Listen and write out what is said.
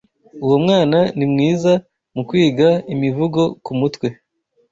Uwo mwana ni mwiza mu kwiga imivugo kumutwe.